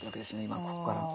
今ここから。